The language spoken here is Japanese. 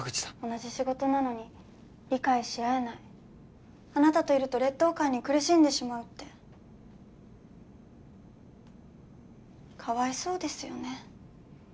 同じ仕事なのに理解し合えないあなたといると劣等感に苦しんでしまうってかわいそうですよね